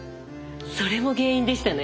それも原因でしたね。